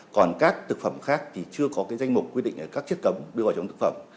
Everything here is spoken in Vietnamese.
còn các thực phẩm khác thì chưa có danh mục quy định là các chất cấm đưa vào trong thực phẩm